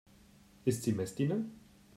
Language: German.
Ist sie Messdiener?